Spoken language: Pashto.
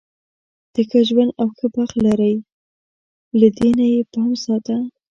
ته ښه ژوند او ښه بخت لری، له دې نه یې پام ساته.